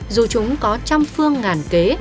dù chúng có trăm phương ngàn kế